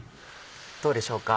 どうでしょうか？